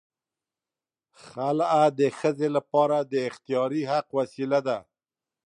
خلع د ښځې لپاره د اختیاري حق وسیله ده.